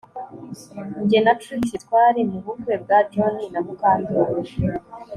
Jye na Trix twari mu bukwe bwa John na Mukandoli